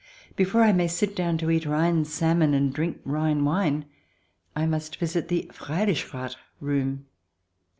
Before I may sit down to eat Rhine salmon and drink Rhine wine I must visit the Freiligrath Room.